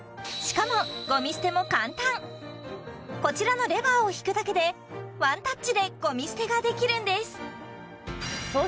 しかもゴミ捨ても簡単こちらのレバーを引くだけでワンタッチでゴミ捨てができるんです